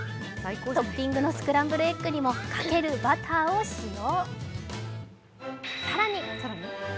トッピングのスクランブルエッグにもかけるバターを使用。